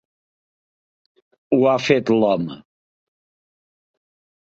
Ho ha fet l'home.